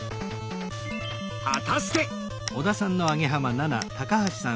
果たして。